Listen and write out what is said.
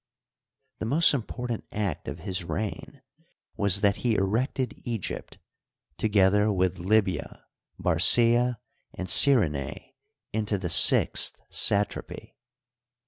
The most important act of his reign was that he erected Egypt, together with Libya, Barcaea, and Cyrenae, into the sixth satrapy.